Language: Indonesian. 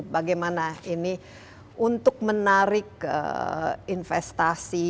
bagaimana ini untuk menarik investasi